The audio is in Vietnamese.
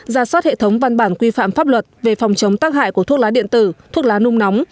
ra soát hệ thống văn bản quy phạm pháp luật về phòng chống tác hại của thuốc lá điện tử thuốc lá nung nóng